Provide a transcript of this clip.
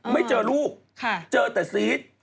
ไม่เจอลูกเจอแต่ซีส